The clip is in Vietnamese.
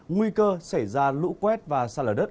nguy cơ xảy ra lũ quét và xa lở đất